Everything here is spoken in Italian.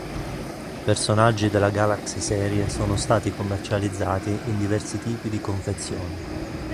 I personaggi della Galaxy Serie sono stati commercializzati in diversi tipi di confezione.